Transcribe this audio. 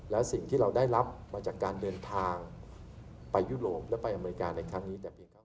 และสิ่งที่เราได้รับมาจากการเดินทางไปยุโรปและไปอเมริกาในครั้งนี้